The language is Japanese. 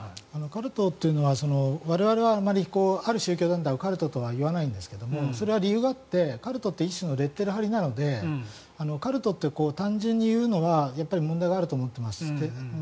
カルトというのは我々はある宗教団体をカルトとは言わないんですがそれは理由があってカルトって一種のレッテル貼りなのでカルトって単純に言うのはやっぱり問題があると思っています。